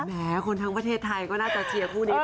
แม้คนทั้งประเทศไทยก็น่าจะเชียร์คู่นี้